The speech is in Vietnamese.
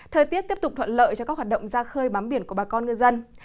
thời tiết tiếp tục thuận lợi cho các hoạt động ra khơi bám biển của bà con ngư dân